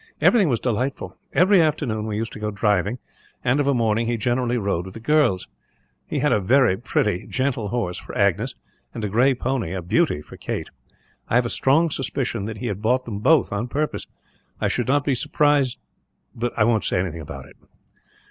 Everything was delightful. Every afternoon we used to go driving and, of a morning, he generally rode with the girls. He had a very pretty, gentle horse for Agnes; and a gray pony, a beauty, for Kate. I have a strong suspicion that he had bought them both, on purpose. I should not be surprised but no, I won't say anything about it."